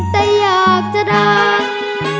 แต่อยากจะดัง